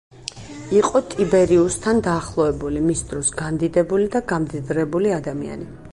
იყო ტიბერიუსთან დაახლოებული, მის დროს განდიდებული და გამდიდრებული ადამიანი.